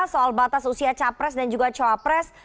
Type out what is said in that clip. soal batas usia capres dan juga cawapres